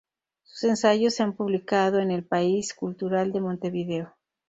Sus ensayos se han publicado en "El País Cultural" de Montevideo.